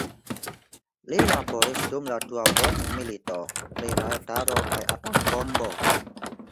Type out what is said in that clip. Li laboris dum la dua mondmilito pri radaro kaj atombombo.